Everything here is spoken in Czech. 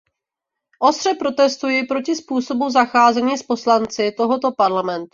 Ostře protestuji proti způsobu zacházení s poslanci tohoto Parlamentu.